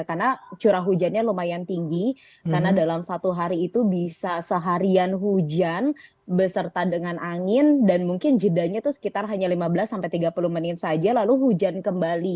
karena curah hujannya lumayan tinggi karena dalam satu hari itu bisa seharian hujan beserta dengan angin dan mungkin jedanya itu sekitar hanya lima belas sampai tiga puluh menit saja lalu hujan kembali